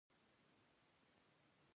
افغانستان د هرات په اړه علمي څېړنې لري.